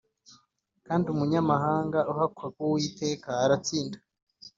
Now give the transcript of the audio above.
Kandi umunyamahanga uhakwa ku Uwiteka aratsinda